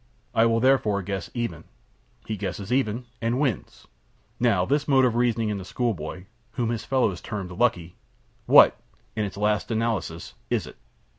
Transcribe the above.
I will therefore guess even'; he guesses even, and wins. Now this mode of reasoning in the school boy, whom his fellows termed 'Lucky,' what, in its last analysis, is it?"